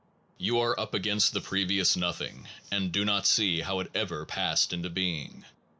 You are up against the previous nothing, and do not see how it ever passed into being.